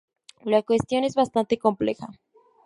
La cuestión es bastante compleja.